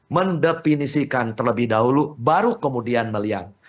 mendefinisikan terlebih dahulu baru kemudian melihat